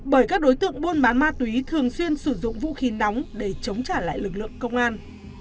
bởi các đối tượng buôn bán ma túy thường xuyên sử dụng vũ khí nóng để chống trả lại lực lượng công an